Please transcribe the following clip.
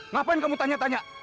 ngapain kamu tanya tanya